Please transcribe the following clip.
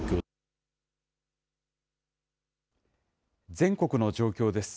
全国の状況です。